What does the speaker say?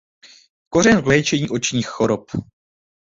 Kořen k léčení očních chorob.